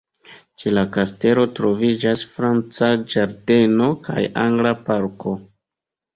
Ĉe la kastelo troviĝas franca ĝardeno kaj angla parko.